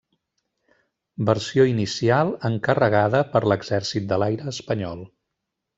Versió inicial encarregada per l'Exèrcit de l'Aire espanyol.